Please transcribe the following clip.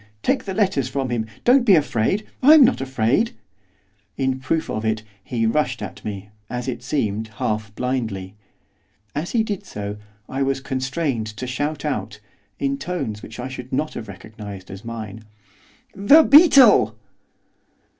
take the letters from him! don't be afraid! I'm not afraid!' In proof of it, he rushed at me, as it seemed half blindly. As he did so I was constrained to shout out, in tones which I should not have recognised as mine, 'THE BEETLE!